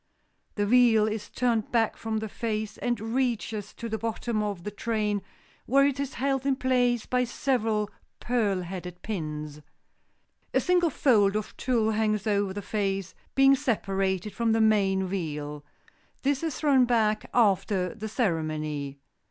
The veil is turned back from the face and reaches to the bottom of the train where it is held in place by several pearl headed pins. A single fold of tulle hangs over the face, being separated from the main veil. This is thrown back after the ceremony.